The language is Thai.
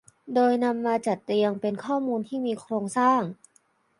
โดยนำมาจัดเรียงเป็นข้อมูลที่มีโครงสร้าง